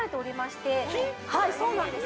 ◆はい、そうなんです。